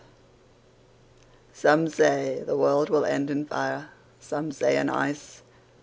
SOME say the world will end in fire, Some say in ice.